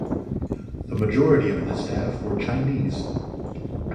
The majority of the staff were Chinese.